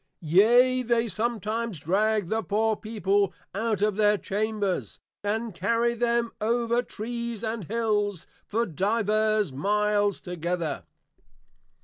Yea, they sometimes drag the poor people out of their chambers, and carry them over Trees and Hills, for divers miles together.